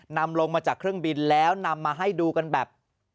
นำลงมาจากเครื่องบินแล้วนำมาให้ดูกันแบบ